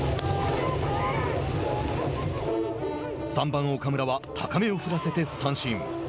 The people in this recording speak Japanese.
３番岡村は高めを振らせて三振。